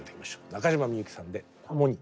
中島みゆきさんで「倶に」。